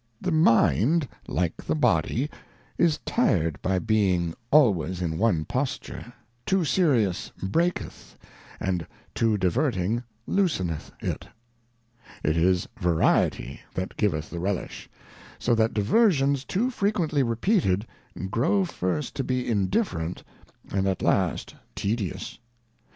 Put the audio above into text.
The Mind like the Body i& tired,i)y being always in one Posture, too serious breaketh, and top diverting looseneth it : It \s Variety that giveth the Relish ; so that Diversions too frequently repeated, grow first to be indifferent, and at last tedious.